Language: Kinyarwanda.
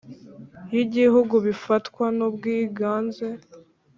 y Igihugu bifatwa n ubwiganze